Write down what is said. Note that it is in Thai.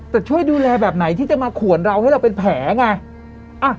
แต่ช่วยดูแลแบบไหนที่จะมาขวนเราให้เราเป็นแผลไง